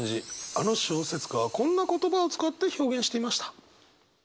あの小説家はこんな言葉を使って表現していました。